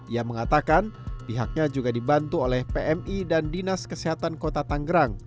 ia mengatakan pihaknya juga dibantu oleh pmi dan dinas kesehatan kota tanggerang